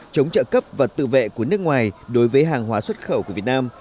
chống trợ cấp và tự vệ của nước ngoài đối với hàng hóa xuất khẩu của việt nam